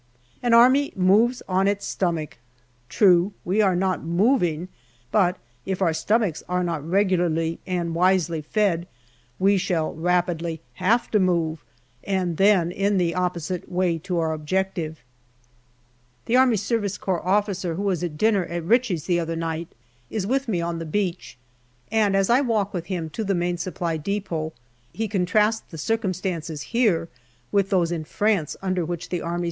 " An army moves on its stomach." True, we are not moving ; but if our stomachs are not regularly and wisely fed, we shall rapidly have to move, and then in the opposite way to our objective. The A.S.C. officer who was at dinner at Ritchie's the other night is with me on the beach, and, as I walk with him to the Main Supply depot, he contrasts the circum stances here with those in France under which the A.S.